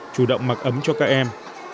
chủ động mặc ấm cho các em